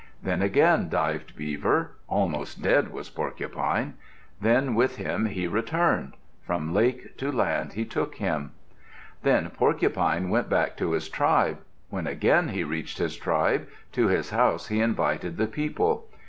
Then again dived Beaver. Almost dead was Porcupine. Then with him he returned. From lake to land he took him. Then Porcupine went back to his tribe. When again he reached his tribe, to his house he invited the people.